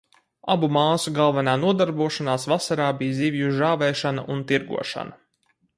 Abu māsu galvenā nodarbošanās vasarā bija zivju žāvēšana un tirgošana.